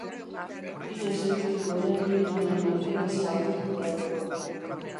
Ihes egiteko erabili duten Mercedesa aurkitu behar dugu.